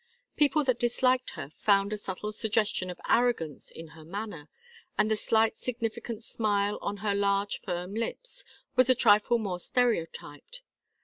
People that disliked her found a subtle suggestion of arrogance in her manner, and the slight significant smile on her large firm lips was a trifle more stereotyped.